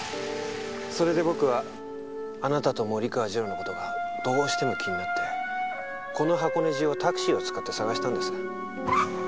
それで僕はあなたと森川次郎の事がどうしても気になってこの箱根中をタクシーを使って捜したんです。